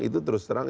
itu terus terang